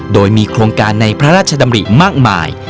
โดยมีโครงการในพระราชดำริมากมาย